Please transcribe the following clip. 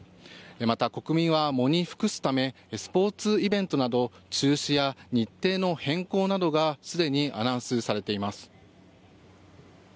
また、国民は喪に服すためスポーツイベントなど中止や日程の変更などがすでにアナウンスされています。